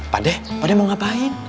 pak deh pak deh mau ngapain